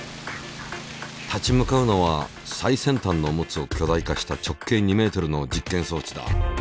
立ち向かうのは最先端のオムツを巨大化した直径２ｍの実験装置だ。